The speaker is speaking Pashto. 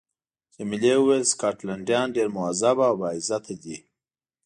جميلې وويل: سکاټلنډیان ډېر مهذب او با عزته دي.